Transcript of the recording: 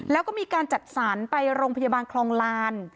แล้วก็มีการจัดสรรไปโรงพยาบาลคลองลาน